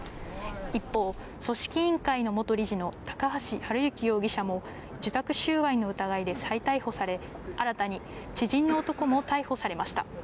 一方、組織委員会の元理事の高橋治之容疑者も、受託収賄の疑いで再逮捕され、新たに知人の男も逮捕されました。